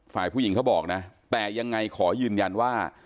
ฝ่ายผู้หญิงเขาบอกนะแต่ยังไงขอยืนยันว่า